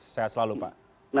sehat selalu pak